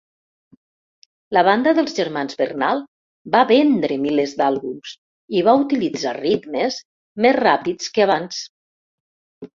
La banda dels germans Bernal va vendre milers d'àlbums i va utilitzar ritmes més ràpids que abans.